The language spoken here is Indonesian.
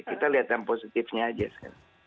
kita lihat yang positifnya aja sekarang